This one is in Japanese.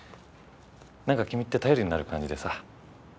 何か君って頼りになる感じでさ。